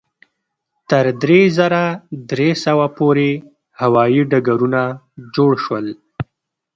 تر درې زره درې سوه پورې هوایي ډګرونه جوړ شول.